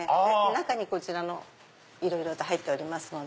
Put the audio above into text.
中にこちらいろいろと入っておりますので。